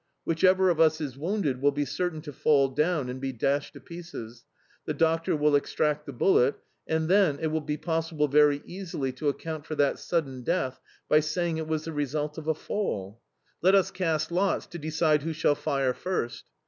Whichever of us is wounded will be certain to fall down and be dashed to pieces; the doctor will extract the bullet, and, then, it will be possible very easily to account for that sudden death by saying it was the result of a fall. Let us cast lots to decide who shall fire first.